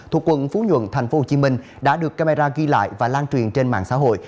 thuộc quận phú nhuận tp hcm đã được camera ghi lại và lan truyền trên mạng xã hội